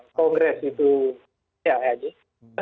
kongres itu ya ya